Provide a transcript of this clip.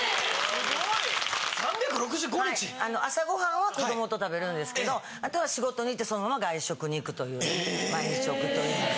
すごい！３６５日⁉朝ごはんは子供と食べるんですけどあとは仕事に行ってそのまま外食に行くという毎日を送っております。